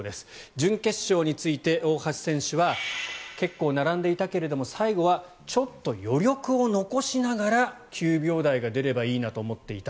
準決勝について大橋選手は結構並んでいたけども最後はちょっと余力を残しながら９秒台が出ればいいなと思っていた。